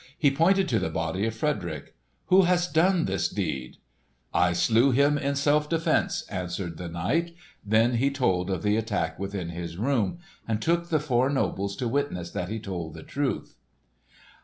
He pointed to the body of Frederick. "Who has done this deed?" "I slew him in self defence," answered the knight. Then he told of the attack within his room, and took the four nobles to witness that he told the truth.